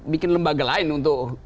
bikin lembaga lain untuk